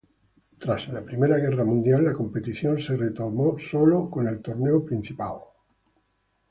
Tras la Primera Guerra Mundial la competición se retomó sólo con el Torneo Principal.